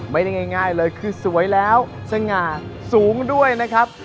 ไม่ได้ง่ายเลยคือสวยแล้วสง่าสูงด้วยนะครับ